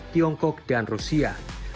tiongkok dan rusia